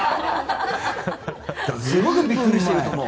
すごくびっくりしていると思う。